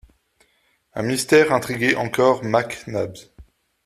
Un mystère intriguait encore Mac Nabbs.